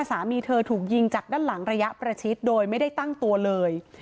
สามีเธอถูกยิงจากด้านหลังระยะประชิดโดยไม่ได้ตั้งตัวเลย